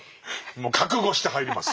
もう覚悟して入ります。